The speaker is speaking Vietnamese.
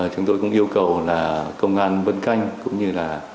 chúng tôi cũng yêu cầu là công an vân canh cũng như là